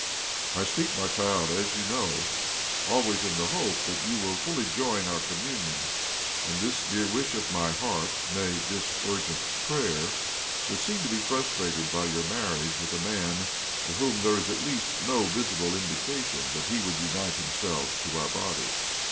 I speak, my child, as you know, always in the hope that you will fully join our communion; and this dear wish of my heart nay, this urgent prayer would seem to be frustrated by your marriage with a man, of whom there is at least no visible indication that he would unite himself to our body."